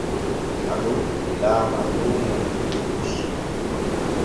Alu lilaama luumo de ɗiɗi.